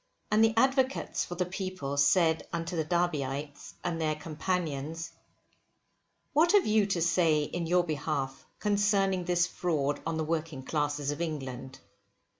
And the advocates for the people said unto the Derbyites and their companions, what have you to say in your behalf concerning this fraud on the working classes of England?